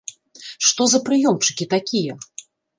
Што за прыёмчыкі такія?